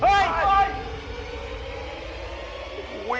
เฮ้ยเฮ้ย